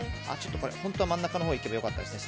本当は真ん中にいけばよかったんですが。